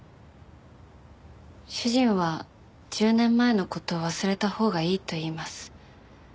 主人は１０年前の事忘れたほうがいいと言います。